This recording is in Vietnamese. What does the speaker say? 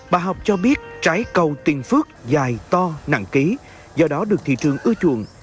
bà học cho biết trái cao tiên phước dài to nặng ký do đó được thị trường ưu chuộng